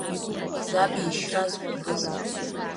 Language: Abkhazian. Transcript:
Заб ишьра згәаӷьыз…